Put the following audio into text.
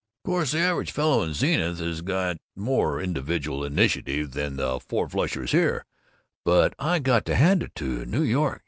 Of course the average fellow in Zenith has got more Individual Initiative than the fourflushers here, but I got to hand it to New York.